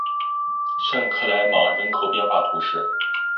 圣克莱芒人口变化图示